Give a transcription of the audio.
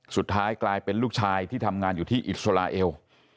สุดท้ายกลายเป็นลูกชายที่ทำงานอยู่ที่อิสราเอล